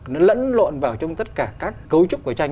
nó lẫn lộn vào trong tất cả các cấu trúc của tranh